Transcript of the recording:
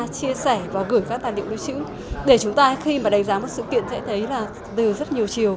chia sẻ và gửi các tài liệu lưu trữ để chúng ta khi mà đánh giá một sự kiện sẽ thấy là từ rất nhiều chiều